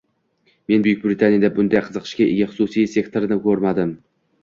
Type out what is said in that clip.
Men Buyuk Britaniyada bunday qiziqishga ega xususiy sektorni koʻrmadim